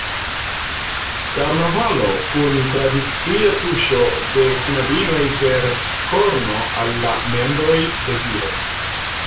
Karnavalo kun tradicia tuŝo de knabinoj per korno al la "membroj" de viroj.